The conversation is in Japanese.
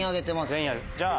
全員あるじゃあ。